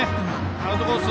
アウトコース